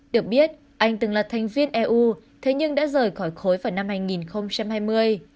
được biết anh từng là thành viên eu thế nhưng đã rời khỏi khối vào năm hai nghìn hai mươi